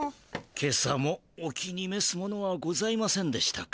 けさもお気にめすものはございませんでしたか。